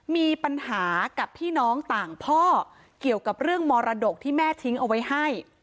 มีปัญหากับพี่น้องต่างพ่อเกี่ยวกับเรื่องมรดกที่แม่ทิ้งเอาไว้ให้